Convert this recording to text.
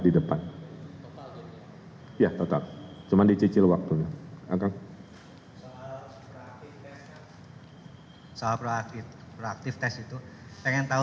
di depan ya ke akan cuman dicicil waktunya angkat soal aktif aktif tes itu pengen tahu